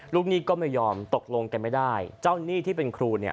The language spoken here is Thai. หนี้ก็ไม่ยอมตกลงกันไม่ได้เจ้าหนี้ที่เป็นครูเนี่ย